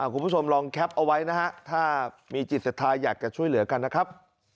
คุณผู้ชมลองแคปเอาไว้นะฮะถ้ามีจิตศรัทธาอยากจะช่วยเหลือกันนะครับ